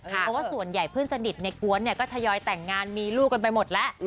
เพราะว่าส่วนใหญ่เพื่อนสนิทในกวนก็ทยอยแต่งงานมีลูกกันไปหมดแล้ว